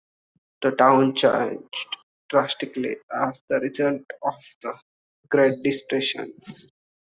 The town changed drastically as a result of the Great Depression.